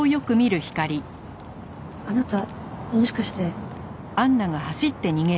あなたもしかして。